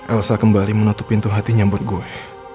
elisa kembali menutup pintu hatinya buat gue